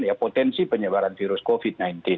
ya potensi penyebaran virus covid sembilan belas